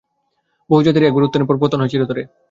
বহু জাতিরই একবার উত্থানের পর পতন হয় চিরতরে।